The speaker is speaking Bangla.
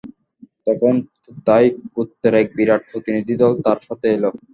তখন তাঈ গোত্রের এক বিরাট প্রতিনিধিদল তার সাথে এল।